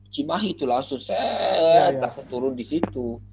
cimahi itu langsung set langsung turun di situ